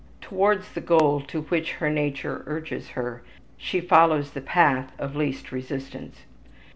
Towards the goal to which her nature urges her she follows the path of least resistance.